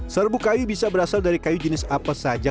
serbu kayu bisa berasal dari kayu jenis apa saja